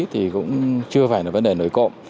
thì cũng chưa phải là vấn đề nổi cộng